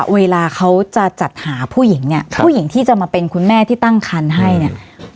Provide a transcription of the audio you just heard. เวลาเขาจะจัดหาผู้หญิงเนี่ยผู้หญิงที่จะมาเป็นคุณแม่ที่ตั้งคันให้เนี่ย